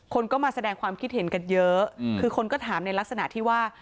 คนก็มาแสดงความคิดเห็นกันเยอะคือคนก็ถามในลักษณะที่ว่า